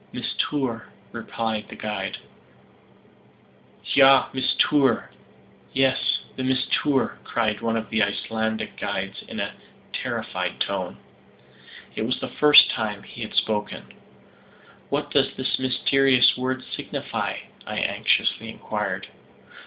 "Mistour," replied the guide. "Ja, mistour yes, the mistour," cried one of the Icelandic guides in a terrified tone. It was the first time he had spoken. "What does this mysterious word signify?" I anxiously inquired.